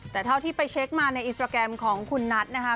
แต่เท่าที่ไปเช็คมาในอินสตราแกรมของคุณนัทนะคะ